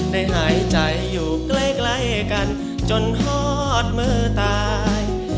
หายใจอยู่ใกล้กันจนฮอดมือตาย